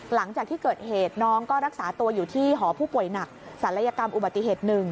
หลังจากที่เกิดเหตุน้องก็รักษาตัวอยู่ที่หอผู้ป่วยหนักศัลยกรรมอุบัติเหตุ๑